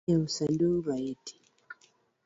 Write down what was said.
Wadhi nyieo sanduk maiti